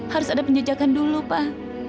harus ada penjajakan dulu pak